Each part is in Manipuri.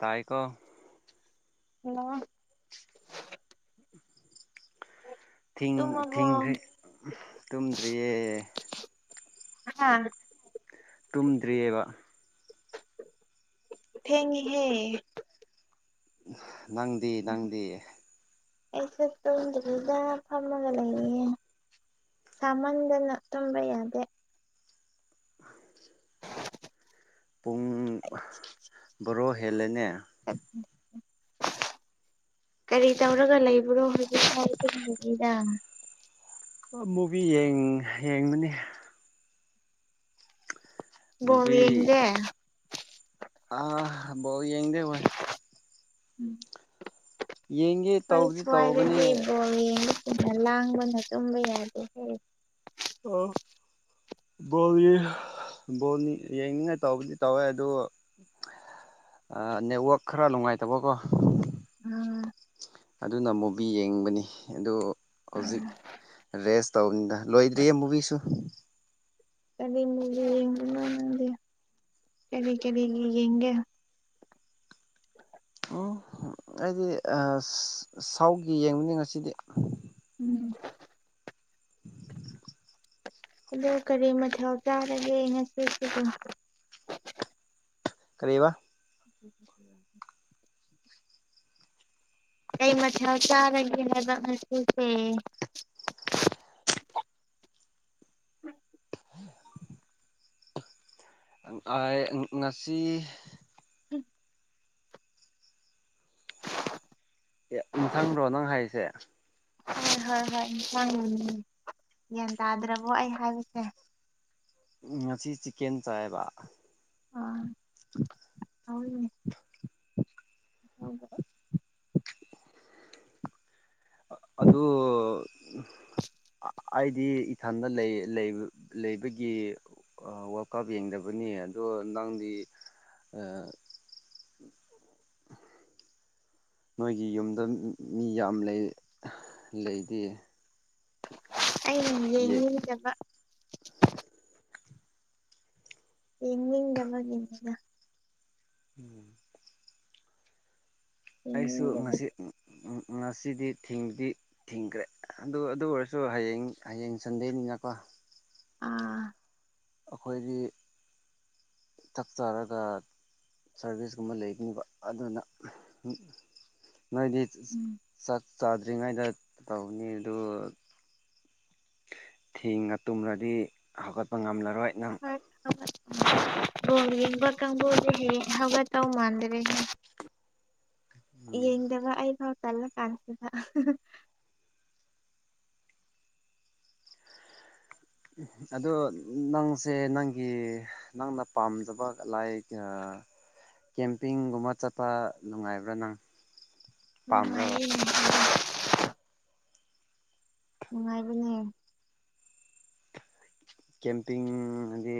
ꯇꯥꯏꯀꯣ [inaudible] ꯊꯤꯡ ꯇꯨꯝꯃꯕꯣ ꯊꯤꯡꯈ꯭ꯔꯦ ꯇꯨꯝꯗ꯭ꯔꯤꯌꯦ ꯍꯥꯥ ꯇꯨꯝꯗ꯭ꯔꯤꯑꯕ ꯊꯦꯡꯉꯍꯦ ꯅꯪꯗꯤ ꯅꯪꯗꯤ ꯑꯩꯁꯦ ꯇꯨꯝꯗ꯭ꯔꯤꯗ ꯐꯝꯃꯒ ꯂꯩꯌꯦ ꯁꯃꯟꯗꯅ ꯇꯝꯕ ꯌꯥꯗꯦ ꯑ ꯄꯨꯡ ꯕꯣꯔꯣ ꯍꯦꯜꯂꯅꯦ [inaudible] ꯀꯔꯤ ꯇꯧꯔꯒ ꯂꯩꯕ꯭ꯔꯣ ꯍꯧꯖꯤꯛ ꯍꯥꯏꯒꯤꯗ ꯃꯨꯚꯤ ꯌꯦꯡꯕꯅꯤ ꯗꯤ ꯃꯨꯚꯤ ꯌꯦꯒ ꯑꯥ ꯕꯣꯜ ꯌꯦꯡꯗꯦꯕꯣꯏ ꯎꯝ ꯌꯦꯡꯒꯦ ꯍꯣꯏ ꯇꯧꯕꯗꯤ ꯇꯧꯕꯅꯦ ꯁ꯭ꯋꯥꯏꯗꯗꯤ ꯏꯕꯣꯜ ꯌꯦꯡꯅ ꯂꯥꯡꯕꯅ ꯇꯨꯝꯕ ꯌꯥꯗꯦ ꯑꯣ ꯕꯣꯜꯒꯤ ꯕꯣꯜ ꯌꯦꯡꯅꯤꯡꯉꯥꯏ ꯇꯧꯕꯗꯤ ꯇꯧꯋꯦ ꯑꯗꯨ ꯅꯦꯠꯋꯥꯛ ꯈꯔ ꯅꯨꯡꯉꯥꯏꯇꯕꯀꯣ ꯎꯝ ꯑꯗꯨꯅ ꯃꯨꯕꯤ ꯌꯦꯡꯕꯅꯤ ꯑꯗꯨ ꯍꯧꯖꯤꯛ ꯔꯦꯁ ꯇꯧꯅꯤꯗ ꯂꯣꯏꯗ꯭ꯔꯤꯌꯦ ꯃꯨꯕꯤꯁꯨ ꯀꯔꯤ ꯃꯤꯒꯤ ꯌꯦꯡ ꯀꯔꯤ ꯀꯔꯤꯒꯤ ꯌꯦꯡꯒꯦ ꯎꯝ ꯑꯩꯗꯤ ꯁꯥꯎꯒꯤ ꯌꯦꯡꯕꯅꯤ ꯉꯁꯤꯗꯤ ꯎꯝ [inaudible] ꯑ ꯀꯔꯤ ꯃꯊꯧ ꯇꯥꯔꯒꯦ ꯉꯁꯤ ꯀꯔꯕ [unintelligible] ꯑꯩ ꯃꯊꯦꯜ ꯆꯥꯔꯒꯦ ꯍꯥꯏꯕ ꯍꯧꯖꯤꯛꯁꯦ ꯎꯝ ꯑ ꯉꯁꯤ ꯎ ꯑꯦ ꯏꯟꯁꯥꯡꯔꯣ ꯅꯪ ꯍꯥꯏꯁꯦ ꯍꯣꯏ ꯍꯣꯏ ꯍꯣꯏ ꯏꯁꯥꯡ ꯒ꯭ꯌꯥꯟ ꯇꯥꯗ꯭ꯔꯕꯣ ꯑꯩ ꯍꯥꯏꯕꯁꯦ ꯎ ꯉꯁꯤ ꯆꯤꯛꯀꯦꯟ ꯆꯥꯏꯕ ꯑ ꯍꯅꯦ ꯍ ꯑꯗꯨ ꯑꯩꯗꯤ ꯏꯊꯟꯗ ꯂꯩ ꯂꯩꯕꯒꯤ ꯋꯥꯀꯥꯞ ꯌꯦꯡꯗꯕꯅꯤ ꯑꯗꯣ ꯅꯪꯗꯤ [inaudible] ꯅꯣꯏꯒꯤ ꯌꯨꯝꯗ ꯃꯤ ꯌꯥꯝ ꯂꯩ ꯂꯩꯗꯤꯦ ꯑꯩꯅ ꯌꯦꯡꯅꯤꯡꯖꯕ ꯌꯦꯡꯅꯤꯡꯗꯕꯒꯤꯅꯤꯅ ꯎꯝ ꯑꯩꯁꯨ ꯌꯦꯡꯅꯤꯡꯗꯕꯒꯤ ꯉꯁꯤ ꯉꯁꯤꯗꯤ ꯊꯤꯡꯕꯗꯤ ꯊꯤꯡꯈ꯭ꯔꯦ ꯑꯗꯨ ꯑꯗꯨ ꯑꯣꯏꯔꯁꯨ ꯍꯌꯦꯡ ꯍꯌꯦꯡ ꯆꯟꯗꯦꯅꯤꯡꯅꯀꯣ ꯑꯥ ꯑꯩꯈꯣꯏꯗꯤ ꯇꯛꯆꯔꯒ ꯁꯥꯔꯚꯤꯁꯀꯨꯝꯕ ꯂꯩꯒꯅꯦꯕ ꯑꯗꯨꯅ ꯅꯣꯏꯗꯤ ꯎꯝ ꯆꯥꯛ ꯆꯥꯗ꯭ꯔꯤꯉꯩꯗ ꯇꯧꯅꯤ ꯑꯗꯨ ꯊꯦꯡꯅ ꯇꯨꯝꯔꯗꯤ ꯍꯧꯒꯠꯄ ꯉꯝꯂꯔꯣꯏ ꯅꯪ ꯣ ꯋꯥ ꯀꯥꯡꯪꯕꯨꯣꯗ ꯍ ꯍꯋꯥ ꯇꯧ ꯃꯥꯥꯡꯗꯔꯦ ꯎꯝ ꯏꯅꯤꯡꯗꯕ ꯑꯩ ꯈꯥꯎ ꯇꯜꯂꯀꯁꯤꯗ ꯑꯗꯣ ꯅꯪꯁꯦ ꯅꯪꯒꯤ ꯅꯪꯅ ꯄꯥꯝꯖꯕ ꯂꯥꯏ ꯀꯦꯝꯄꯤꯡꯒꯨꯝꯕ ꯆꯠꯄ ꯅꯨꯡꯉꯥꯏꯕ꯭ꯔꯥ ꯅꯪ ꯎ ꯄꯥꯝꯕ꯭ꯔꯕ ꯅꯨꯡꯉꯥꯏꯕꯅꯦ ꯀꯦꯝꯄꯤꯤꯡꯗꯤ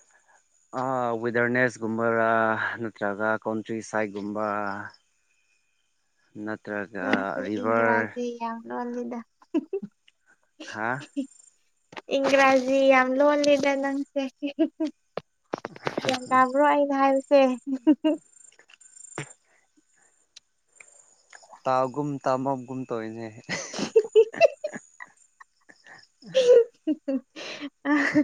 [unintelligible] ꯋꯦꯗꯔꯅꯦꯁꯀꯨꯝꯕꯔꯥ ꯅꯠꯇ꯭ꯔꯒ ꯀꯣꯟꯇ꯭ꯔꯤ ꯁꯥꯏꯠꯀꯨꯝꯕ ꯅꯠꯇ꯭ꯔꯒ ꯚꯔ ꯂꯗ ꯍꯥ ꯏꯒ꯭ꯔꯥꯖꯤ ꯌꯥꯝ ꯂꯣꯣꯟ ꯂꯤꯗꯦ ꯂꯪꯁ ꯌꯥꯝ ꯇ꯭ꯔꯣ ꯍꯥꯏ ꯍꯥꯏꯁꯦ ꯇꯥꯒꯨ ꯇꯥꯃꯒꯨꯨꯝ ꯇꯅꯦ [unintelligible] ꯑ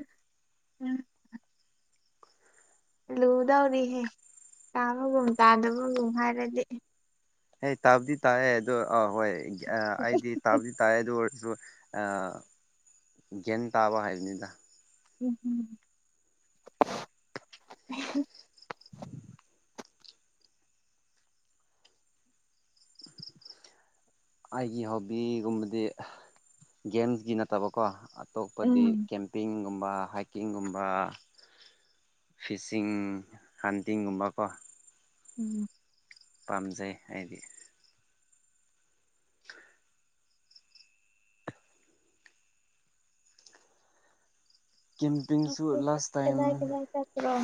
ꯂꯨꯗꯧꯔꯤꯍꯦ ꯇꯥꯕꯒꯨꯝ ꯇꯥꯗꯕꯒꯨꯝ ꯍꯥꯏꯔꯗꯤ ꯍ ꯇꯥꯕꯗꯤ ꯇꯥꯛꯑꯦ ꯑꯗꯨꯗꯣ ꯑꯥ ꯍꯣꯏ ꯑꯩꯗꯤ ꯇꯥꯕꯗꯤ ꯇꯥꯛꯑꯦ ꯑꯗꯨ ꯑꯣꯏꯔꯁꯨ ꯒ꯭ꯌꯥꯟ ꯇꯥꯕ ꯍꯥꯏꯕꯅꯤꯗ ꯎꯝꯝ ꯑꯩꯒꯤ ꯍꯣꯕꯤꯒꯨꯝꯕꯗꯤ ꯒꯦꯝꯁꯒꯤ ꯅꯠꯇꯕꯀꯣ ꯑꯇꯣꯞꯄꯗꯤ ꯀꯦꯝꯄꯤꯡꯒꯨꯝꯕ ꯍꯥꯏꯀꯤꯡꯒꯨꯝꯕ ꯐꯤꯁꯤꯡ ꯍꯥꯟꯇꯤꯡꯒꯨꯝꯕꯀꯣ ꯎꯝ ꯄꯥꯝꯖꯩ ꯑꯩꯗꯤ [unintelligible] ꯀꯦꯝꯄꯤꯤꯡꯁꯨ ꯂꯥꯁ ꯇꯥꯏꯝ ꯀꯗꯥꯏ ꯀꯗꯥꯏ ꯆꯠꯄ꯭ꯔꯣ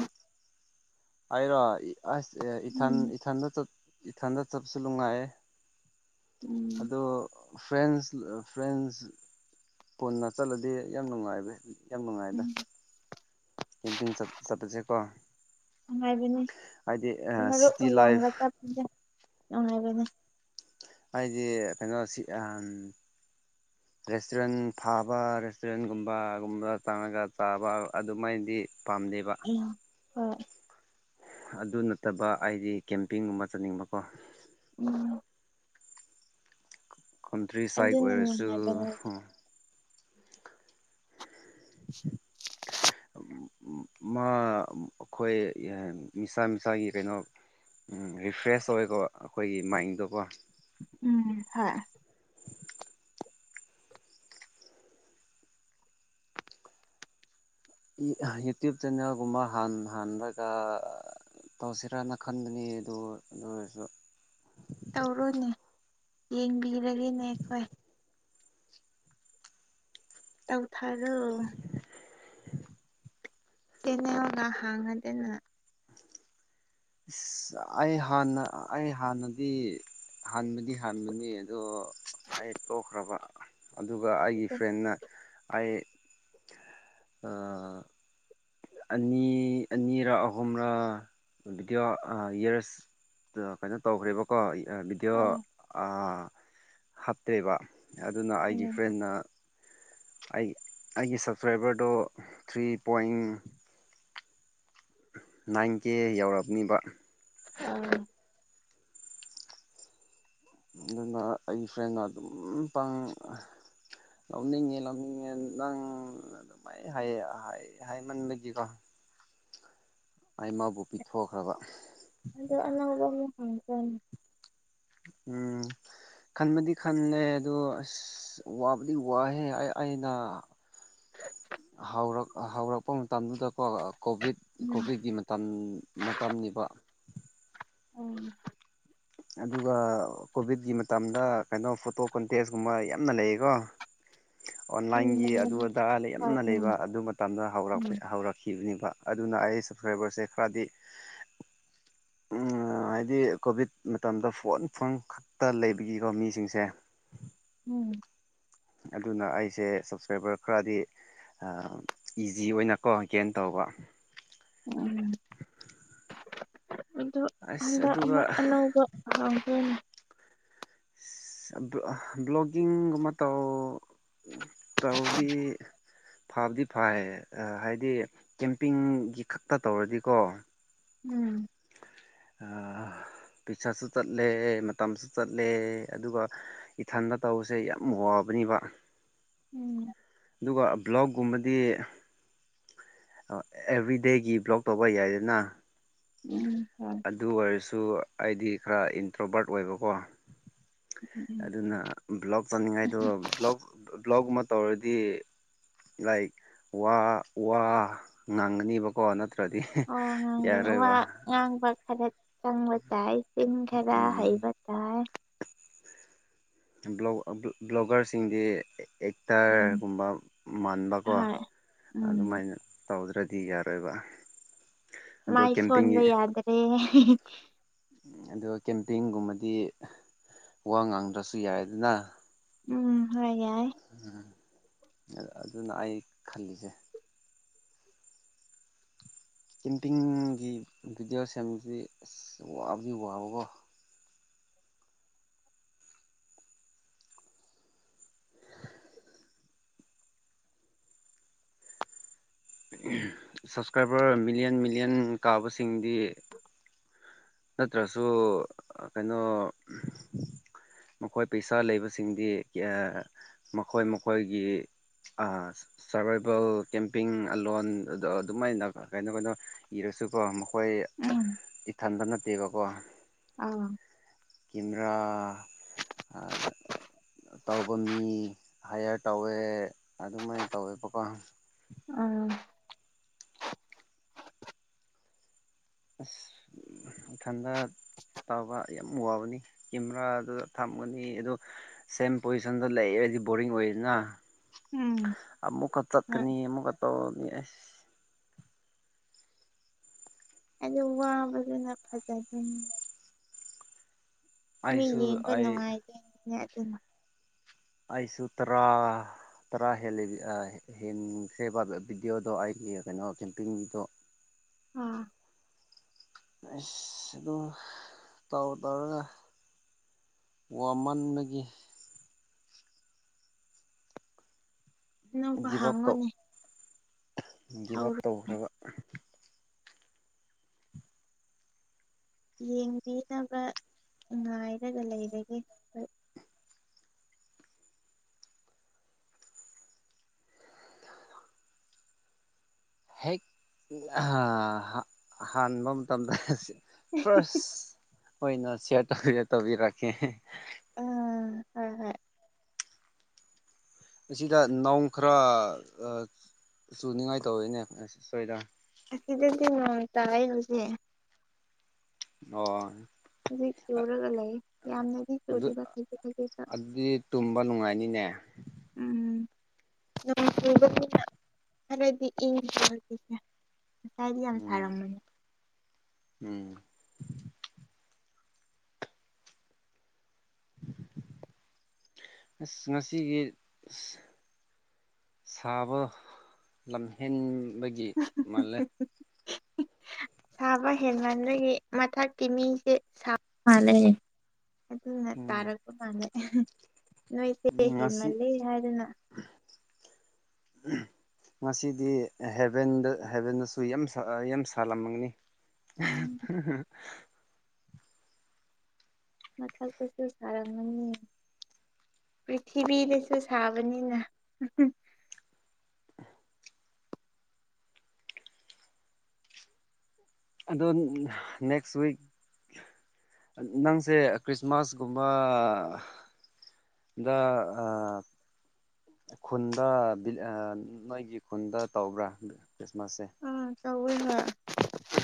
ꯍꯥꯏꯔꯣ ꯑꯁ ꯏꯊꯟ ꯎꯝ ꯏꯊꯟꯗ ꯏꯊꯟꯗ ꯆꯠꯄꯁꯨ ꯅꯨꯡꯉꯥꯏꯌꯦꯦ ꯎꯝ ꯑꯗꯣ ꯐ꯭ꯔꯦꯟꯁ ꯐ꯭ꯔꯦꯟꯁ ꯄꯨꯟꯅ ꯆꯠꯂꯗꯤ ꯌꯥꯝ ꯅꯨꯡꯉꯥꯏꯕ ꯌꯥꯝ ꯅꯨꯡꯉꯥꯏꯗ ꯎꯝ ꯀꯦꯝꯄꯤꯡ ꯆꯠꯄꯁꯦꯀꯣ ꯅꯨꯡꯉꯥꯏꯕꯅꯤ ꯍꯥꯏꯗꯤ ꯃꯔꯨꯞ ꯁꯤꯇꯤ ꯃꯌꯥꯝꯒ ꯂꯥꯏꯐ ꯇꯞꯄꯁꯦ ꯅꯨꯡꯉꯥꯏꯕꯅꯤ ꯍꯖꯦ ꯄꯦꯒꯥ ꯁꯤꯠ [unintelligible] ꯔꯦꯁꯇꯨꯔꯦꯟ ꯊꯥꯕ ꯔꯦꯁꯇꯨꯔꯦꯟꯒꯨꯝꯕꯒꯨꯝꯕ ꯇꯪꯉꯒ ꯆꯥꯕ ꯑꯗꯨꯃꯥꯏꯗꯤ ꯄꯥꯝꯗꯦꯕ ꯎꯝ ꯍꯣꯏ ꯑꯗꯨ ꯅꯠꯇꯕ ꯑꯩꯗꯤ ꯀꯦꯝꯄꯤꯡꯒꯨꯝꯕ ꯆꯠꯅꯤꯡꯕꯀꯣ ꯎꯝ ꯀꯟꯇ꯭ꯔꯤ ꯁꯥꯏꯠ ꯑꯗꯨꯅ ꯑꯣꯏꯔꯁꯨ ꯅꯨꯡꯉꯥꯏꯕꯅꯦ [unintelligible] ꯑꯩꯈꯣꯏ ꯃꯤꯁꯥ ꯃꯤꯁꯥꯒꯤ ꯀꯩꯅꯣ ꯎ ꯔꯤꯐ꯭ꯔꯦꯁ ꯇꯧꯋꯦꯀꯣ ꯑꯩꯈꯣꯏꯒꯤ ꯃꯥꯏꯟꯗꯣꯀꯣ ꯎꯝ ꯍꯥꯏ ꯌꯨꯇꯌꯨꯕ ꯆꯅꯦꯒꯨꯝꯃ ꯍꯥꯟ ꯍꯥꯟꯗꯒ ꯇꯧꯁꯤꯔꯅ ꯈꯟꯕꯅꯤ ꯑꯗꯨ ꯑꯗꯨ ꯑꯣꯏꯔꯁꯨ ꯇꯧꯔꯨꯅꯦ ꯌꯦꯡꯕꯤꯔꯒꯦꯅꯦ ꯑꯩꯈꯣꯏ ꯇꯪ ꯊꯥꯏꯅ [inaudible] ꯁꯤꯩꯅ ꯍꯥꯡꯉꯗꯅ ꯏꯁ ꯑꯩ ꯍꯥꯟꯅ ꯑꯩ ꯍꯥꯟꯅꯗꯤ ꯍꯥꯟꯕꯗꯤ ꯍꯥꯟꯕꯅꯤ ꯑꯗꯣ ꯑꯩ ꯇꯣꯛꯈ꯭ꯔꯕ ꯑꯗꯨꯒ ꯑꯩꯒꯤ ꯐ꯭ꯔꯦꯟꯅ ꯑꯩ ꯑꯅꯤ ꯑꯅꯤꯔ ꯑꯍꯨꯝꯔ ꯚꯕꯤꯗꯤꯑꯣ ꯏꯔꯁ ꯀꯩꯅꯣ ꯇꯧꯈ꯭ꯔꯦꯕꯀꯣ ꯑꯧ ꯕꯤꯗꯤꯌꯑꯣ ꯍꯥꯞꯇꯦꯕ ꯑꯗꯨꯅ ꯑꯩꯒꯤ ꯎꯝ ꯐ꯭ꯔꯦꯟꯅ ꯑꯩ ꯑꯩꯒꯤ ꯁꯕꯁꯀ꯭ꯔꯥꯏꯕꯔꯗꯣ ꯊ꯭ꯔꯤ ꯄꯣꯏꯟ ꯅꯥꯏꯟ ꯀꯦ ꯌꯧꯔꯑꯅꯤꯕ ꯑꯥ ꯑꯗꯨꯅ ꯑꯩ ꯐ꯭ꯔꯦꯟꯅ ꯑꯗꯨꯝ ꯄꯥꯡ ꯂꯧꯅꯤꯡꯉꯦ ꯂꯧꯅꯤꯡꯉꯦ ꯅꯪ ꯑꯗꯨꯃꯥꯏꯅ ꯍꯥꯏꯌꯦ ꯍꯥꯏꯃꯟꯕꯒꯤꯀꯣ ꯑꯩꯃꯕꯨ ꯄꯤꯊꯣꯛꯈ꯭ꯔꯕ ꯑꯗ ꯑꯅꯕ ꯑꯃꯨꯛ ꯍꯪꯖꯅꯤ ꯎꯝ ꯈꯟꯕꯗꯤ ꯈꯜꯂꯦ ꯑꯗꯣ ꯑꯁ ꯋꯥꯕꯨꯗꯤ ꯋꯥꯍꯦ ꯑꯩꯅ [inaudible] ꯍꯧꯔꯛ ꯍꯧꯔꯛꯄ ꯃꯇꯝꯗꯨꯗ ꯀꯣꯚꯤꯠ ꯎꯝ ꯀꯣꯚꯤꯠꯀꯤ ꯃꯇꯝ ꯃꯇꯝꯅꯤꯅꯤꯕ ꯎꯝ ꯑꯗꯨꯒ ꯀꯣꯚꯤꯠꯀꯤ ꯃꯇꯝꯗ ꯀꯩꯅꯣ ꯐꯣꯇꯣ ꯀꯣꯟꯇꯦꯛꯁꯀꯨꯝꯕ ꯌꯥꯝꯅ ꯂꯩꯌꯦꯀꯣ [inaudible] ꯎꯝ ꯑꯣꯟꯂꯥꯏꯟꯒꯤ ꯑꯗꯨ ꯎꯝ ꯑꯗꯥ ꯂꯩ ꯍꯣꯏ ꯌꯥꯝꯅ ꯎꯝ ꯂꯩꯕ ꯑꯗꯨ ꯃꯇꯝꯗꯔ ꯎꯝ ꯍꯧꯔꯛꯈꯤꯕꯅꯦꯕ ꯑꯗꯨꯅ ꯑꯩ ꯁꯞꯁꯀ꯭ꯔꯥꯏꯕꯔꯁꯦ ꯈꯔꯗꯤ [inaudible] ꯍꯥꯏꯗꯤ ꯀꯣꯚꯤꯠ ꯃꯇꯝꯗ ꯐꯣꯟ ꯐꯣꯟ ꯈꯛꯇ ꯂꯩꯕꯒꯤꯀꯣ ꯃꯤꯁꯤꯡꯁꯦ ꯎꯝ ꯑꯗꯨꯅ ꯑꯩꯁꯦ ꯁꯞꯁꯀ꯭ꯔꯥꯏꯕꯔ ꯈꯔꯗꯤ ꯏꯖꯤ ꯑꯣꯏꯅꯀꯣ ꯀꯦꯅ ꯇꯧꯕ ꯎꯝ ꯑꯗꯨ ꯑꯁ ꯍꯟꯗꯛ ꯑꯗꯨꯒ ꯑꯃꯨꯛ ꯑꯅꯧꯕ ꯍꯥꯡꯕꯅꯦ ꯕ꯭ꯂꯣꯒꯤꯡꯒꯨꯝꯕ ꯇꯧ ꯇꯧꯗꯤ ꯐꯕꯗꯤ ꯐꯩ ꯍꯥꯏꯗꯤ ꯀꯦꯝꯄꯤꯡꯒꯤ ꯈꯛꯇ ꯇꯧꯔꯗꯤꯀꯣ ꯎꯝ ꯑ ꯄꯤꯁꯠꯁꯨ ꯆꯠꯂꯦ ꯃꯇꯝꯁꯨ ꯆꯠꯂꯦ ꯑꯗꯨꯒ ꯏꯊꯟꯗ ꯇꯧꯕꯁꯦ ꯌꯥꯝ ꯋꯥꯕ ꯑꯕꯅꯤꯕ ꯎꯝ ꯑꯗꯨꯒ ꯕ꯭ꯂꯣꯛꯒꯨꯝꯕꯗꯤ ꯑꯦꯚ꯭ꯔꯤꯗꯦꯒꯤ ꯕ꯭ꯂꯣꯛ ꯇꯧꯕ ꯌꯥꯏꯗꯅ ꯎꯝ ꯍꯣꯏ ꯑꯗꯨ ꯑꯣꯏꯔꯁꯨ ꯑꯩꯗꯤ ꯈꯔ ꯏꯟꯇ꯭ꯔꯣꯕꯥꯔꯠ ꯑꯣꯏꯕꯀꯣ ꯎꯝ ꯎꯝ ꯑꯗꯨꯅ ꯕ꯭ꯂꯣꯛ ꯇꯧꯅꯤꯡꯉꯥꯏꯗ ꯕꯣꯛ ꯕ꯭ꯂꯣꯛꯨꯝ ꯑꯃ ꯇꯧꯔꯗꯤ ꯂꯥꯏꯛ ꯋꯥ ꯋꯥ ꯉꯥꯡꯒꯅꯤꯕꯀꯣ ꯅꯠꯇ꯭ꯔ ꯭ꯔꯗꯤ ꯋꯥ ꯌꯥꯔ ꯑꯣꯏꯕ ꯆꯪꯕꯇꯥꯏꯁꯤꯡꯤꯟ ꯈꯔ ꯎꯝ ꯍꯩꯕꯇꯥꯏ ꯕ꯭ꯂꯣꯒꯔꯁꯤꯡꯗꯤ ꯎꯝ ꯑꯦꯛꯇꯔꯒꯨꯝꯕ ꯃꯥꯟꯕꯀꯣ ꯍꯣꯏ ꯎꯝ ꯑꯗꯨꯃꯥꯏꯅ ꯇꯧꯗ꯭ꯔꯗꯤ ꯌꯥꯔꯣꯏꯕ ꯑꯗꯣ ꯀꯦꯝꯄꯤꯡꯒꯤ ꯃꯥꯏꯁꯣꯟꯟꯕ ꯌꯥꯗ꯭ꯔꯦ ꯑꯗꯨꯒ ꯀꯦꯝꯄꯤꯡꯒꯨꯝꯕꯗꯤ ꯋꯥ ꯉꯥꯡꯗ꯭ꯔꯁꯨ ꯌꯥꯏ ꯑꯗꯨꯅ ꯎꯝ ꯍꯥꯏꯦ ꯎꯝ ꯑꯗꯨꯅ ꯑꯩ ꯈꯜꯂꯤꯁꯦ ꯀꯦꯝꯄꯤꯡꯒꯤ ꯚꯤꯗꯤꯑꯣ ꯁꯦꯝꯗꯤ ꯑꯁ ꯋꯥꯕꯨꯗꯤ ꯋꯥꯕꯀꯣ ꯁꯞꯁꯀ꯭ꯔꯥꯏꯕꯔ ꯃꯤꯂꯤꯌꯟ ꯃꯤꯂꯤꯌꯟ ꯀꯥꯕꯁꯤꯡꯗꯤ ꯅꯠꯇ꯭ꯔꯁꯨ ꯀꯩꯅꯣ ꯃꯈꯣꯏ ꯄꯩꯁꯥ ꯂꯩꯕꯁꯤꯡꯗꯤ ꯃꯈꯣꯏ ꯃꯈꯣꯏꯒꯤ ꯁꯔꯚꯏꯚꯦꯜ ꯀꯦꯝꯄꯤꯡ ꯑꯣꯟ ꯑꯗ ꯑꯗꯨꯃꯥꯏꯅ ꯀꯩꯅꯣ ꯀꯩꯅꯣ ꯏꯔ ꯀꯩꯁꯨ ꯀꯣ ꯃꯈꯣꯏ ꯏꯊꯟꯇ ꯅꯠꯇꯦꯕꯀꯣ ꯑꯥ ꯀꯦꯦꯝꯔꯥ ꯇꯧꯕ ꯃꯤ ꯍꯥꯏꯌꯔ ꯇꯧꯋꯦ ꯑꯗꯨꯃꯥꯏꯅ ꯇꯧꯋꯦꯕꯀꯣ ꯑꯥ ꯊꯥꯟꯗ ꯇꯥꯎꯕ ꯌꯥꯝ ꯋꯥꯕꯅꯤ ꯀꯦꯃꯦꯔꯥꯗꯨꯗ ꯊꯝꯒꯅꯤ ꯑꯗꯨ ꯁꯦꯝ ꯄꯣꯖꯤꯁꯟꯗ ꯂꯩ ꯗꯤ ꯕꯣꯔꯤꯡ ꯑꯣꯏꯅ ꯎꯝ ꯑꯃꯨꯛꯀ ꯍꯣꯏ ꯆꯠꯀꯅꯤ ꯑꯃꯨꯛꯀ ꯇꯧꯔꯅꯤ ꯑꯁ ꯑ ꯋꯥꯕꯅ ꯐꯖ ꯃꯤ ꯑꯩꯁꯨ ꯌꯦꯡꯕ ꯑꯩ ꯅꯨꯡꯉꯥꯏꯗꯦꯅꯤꯅꯦ ꯑꯗꯨꯅ ꯑꯩꯁꯨꯊꯔꯥ ꯇꯔꯥ ꯍꯦꯜꯜꯂꯤ ꯍꯦꯟꯁꯦ ꯚꯗꯤꯑꯣꯗ ꯑꯩꯒꯤ ꯀꯩꯅꯣ ꯀꯦꯝꯄꯤꯡꯒꯤꯗꯣ ꯑꯥ ꯑ ꯑꯗꯨꯝ ꯇꯥꯎ ꯇꯥꯎꯔꯒ ꯋꯥ ꯃꯥꯟꯅꯗꯒꯤ ꯅꯧꯕ ꯒꯤꯞ ꯑꯞ ꯇꯧ ꯍꯥꯡꯉꯣꯅꯦ ꯒꯤꯞ ꯑꯞ ꯍꯧꯔꯣ ꯇꯧꯈ꯭ꯔꯕ ꯌꯦꯡꯕꯤꯅꯕ ꯉꯥꯏꯔꯒ ꯂꯩꯔꯒꯦ ꯍꯣꯏ ꯍꯦꯛ ꯍꯥꯟꯕ ꯃꯇꯝꯗ ꯐ꯭ꯔꯁ ꯑꯣꯏꯅ ꯁꯤꯌꯥꯔ ꯇꯧꯕ ꯇꯧꯕꯤꯔꯛꯀꯦ ꯎꯝ ꯍ ꯍꯣꯏ ꯑꯁꯤꯗ ꯅꯧ ꯈꯔ ꯆꯨꯅꯤꯡꯉꯥꯏ ꯇꯧꯋꯤꯅꯦ ꯁꯣꯏꯗ ꯁꯤꯗꯗꯤ ꯉꯣꯟ ꯇꯥꯏ ꯍꯧꯖꯤꯦ ꯑꯣ ꯍꯧꯖꯤ ꯆꯨꯔꯒ ꯂꯩ ꯌꯥꯝꯅꯗꯤ ꯑꯗꯨ ꯆꯨꯔꯤꯕ ꯈꯖꯤꯛ ꯈꯖꯤ ꯀꯅꯤꯅꯦꯦ ꯐꯕꯔꯗꯤ ꯁ ꯍꯥꯏꯔꯤ ꯌꯥꯝ ꯌꯥꯝ ꯎꯝ ꯁꯔꯝ ꯃꯅꯤ ꯎꯝ [inaudible] [unintelligible] ꯑ ꯉꯁꯤꯒꯤ ꯁꯥꯕ ꯂꯝꯍꯦꯟꯕꯒꯤ ꯃꯥꯂꯦ [inaudible] [unintelligible] ꯁꯥꯕ ꯍꯦꯟꯒꯟꯕꯒꯤ ꯃꯊꯛꯀꯤ ꯃꯤꯁꯦ ꯁꯥꯕꯅꯩ ꯑꯗꯨ ꯎꯝ ꯇꯔꯒ ꯃꯥꯅꯦꯦ ꯅꯣꯏꯁꯦ ꯉꯁꯤ ꯍꯦꯃꯂꯦ ꯌꯥꯔꯅ ꯉꯁꯤꯗꯤ ꯍꯦꯚꯦꯟꯗ ꯍꯦꯚꯦꯟꯗꯁꯨ ꯌꯥꯝ ꯌꯥꯝ ꯁꯥꯂꯝꯃꯅꯤ [inaudible] ꯎꯝ [unintelligible] ꯃꯊꯛꯇꯁꯨ ꯁꯥꯔꯝꯒꯅꯤ ꯄ꯭ꯔꯤꯊꯤꯕꯤꯗꯁꯨ ꯁꯥꯕꯅꯤꯅ ꯑꯗꯣ ꯅꯦꯦꯛꯁ ꯎꯋꯛ ꯅꯪꯁꯦ ꯈ꯭ꯔꯤꯁꯃꯥꯁꯀꯨꯝꯕ ꯗ ꯈꯨꯟꯗ ꯅꯣꯏꯒꯤ ꯈꯨꯟꯗ ꯇꯧꯕ꯭ꯔꯥ ꯈ꯭ꯔꯤꯁꯃꯥꯁꯁꯦ ꯇꯧꯏ ꯍ ꯎ